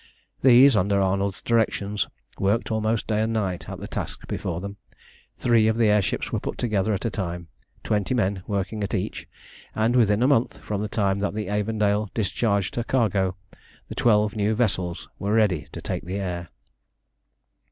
These, under Arnold's direction, worked almost day and night at the task before them. Three of the air ships were put together at a time, twenty men working at each, and within a month from the time that the Avondale discharged her cargo, the twelve new vessels were ready to take the air.